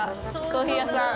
コーヒー屋さん。